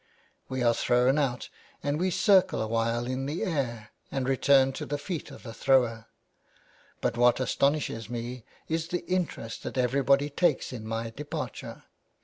We are thrown out, and we circle a while in the air, and return to the feet of the thrower. But what astonished me is the interest that everybody takes in my departure.